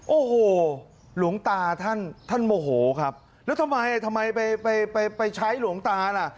โอ้โหหลวงตาท่านท่านโมโหครับแล้วทำไมทำไมไปไปใช้หลวงตาล่ะ